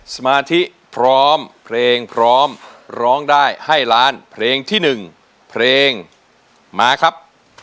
สมาธิพร้อมเพลงพร้อมร้องได้ให้ล้านเพลงที่๑เพลงมาครับ